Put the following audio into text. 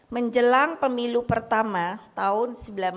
menjelang pemilu pertama tahun seribu sembilan ratus empat puluh